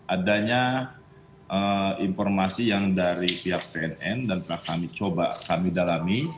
adanya informasi yang dari pihak cnn dan kami coba kami dalami